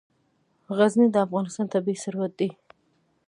غزني د افغانستان طبعي ثروت دی.